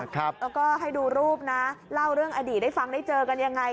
แล้วก็ให้ดูรูปนะเล่าเรื่องอดีตได้ฟังได้เจอกันยังไง